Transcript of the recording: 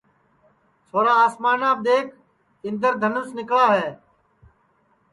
چھورا آسمانام دؔیکھ اِندر دھنوس نِکݪا ہے